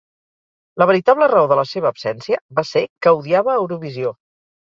La veritable raó de la seva absència va ser que odiava Eurovisió.